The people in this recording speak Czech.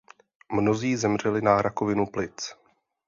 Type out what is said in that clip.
Mnozí zemřeli na rakovinu plic.